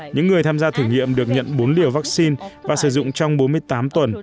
những người tham gia thử nghiệm được nhận bốn liều vaccine và sử dụng trong bốn mươi tám tuần